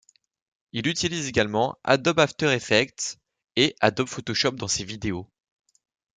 Il utilise également Adobe After Effects et Adobe Photoshop dans ses vidéos.